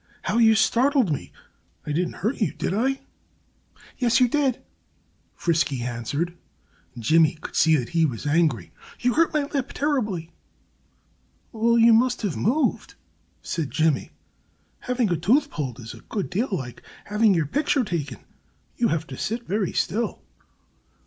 "How you startled me! I didn't hurt you, did I?" "Yes, you did!" Frisky answered. And Jimmy could see that he was angry. "You hurt my lip terribly." "Well, you must have moved," said Jimmy. "Having a tooth pulled is a good deal like having your picture taken. You have to sit very still."